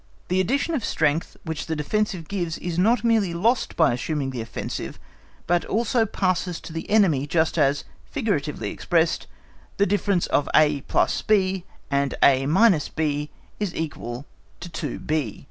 The addition of strength, which the defensive gives is not merely lost by assuming the offensive, but also passes to the enemy just as, figuratively expressed, the difference of a + b and a – b is equal to 2_b_.